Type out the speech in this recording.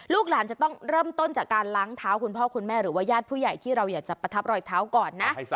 หลานจะต้องเริ่มต้นจากการล้างเท้าคุณพ่อคุณแม่หรือว่าญาติผู้ใหญ่ที่เราอยากจะประทับรอยเท้าก่อนนะ